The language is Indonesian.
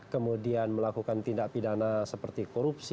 kemudian melakukan tindak pidana seperti korupsi